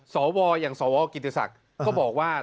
สวอย่างสวกิติศักดิ์ก็บอกว่า